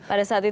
pada saat itu